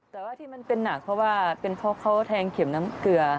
แต่ว่าที่มันเป็นหนักเพราะว่าเป็นเพราะเขาแทงเข็มน้ำเกลือ